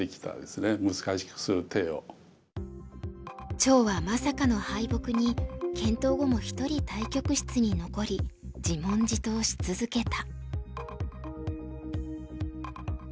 趙はまさかの敗北に検討後も１人対局室に残り自問自答し続けた。